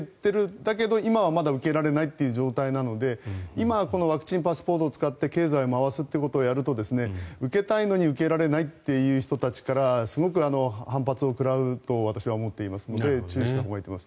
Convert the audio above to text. だけど今はまだ受けられないという状態なので今、ワクチンパスポートを使って経済を回していくことをやると受けたいのに受けられないという人たちからすごく反発を食らうと私は思っていますので注意したほうがいいと思います。